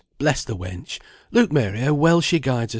bless the wench! Look, Mary, how well she guides hersel."